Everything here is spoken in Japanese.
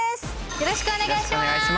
よろしくお願いします。